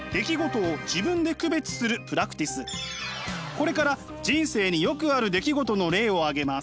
これから人生によくある出来事の例を挙げます。